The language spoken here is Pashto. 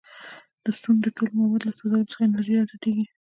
د سون د ټولو موادو له سوځولو څخه انرژي ازادیږي.